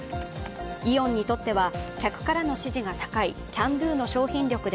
イオンにとっては客からの支持が高いキャンドゥの商品力で